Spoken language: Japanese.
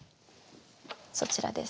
そちらです。